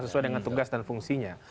sesuai dengan tugas dan fungsinya